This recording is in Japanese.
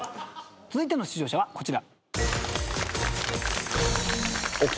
続いての出場者はこちら。